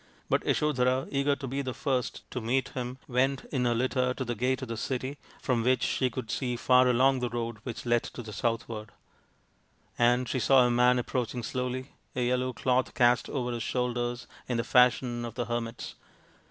But Yaso dhara, eager to be the first to meet him, went in her litter to the gate of the city, from which she could see THE PRINCE WONDERFUL 195 far along the road which led to the southward ; and she saw a man approaching slowly, a yellow cloth cast over his shoulder in the fashion of the hermits.